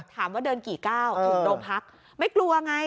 ถามว่าเดินกี่ก้าวถึงโรงพักไม่กลัวไง